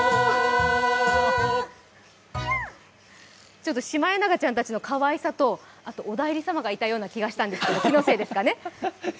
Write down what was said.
ちょっとシマエナガちゃんたちのかわいさとお内裏様がいたような気がしたんですが、気のせいですかね。